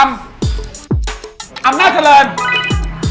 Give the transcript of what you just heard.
อำนาจริง